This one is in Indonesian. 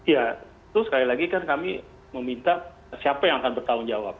ya itu sekali lagi kan kami meminta siapa yang akan bertanggung jawab